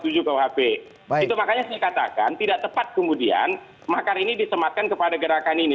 jadi makanya saya katakan tidak tepat kemudian makar ini disematkan kepada gerakan ini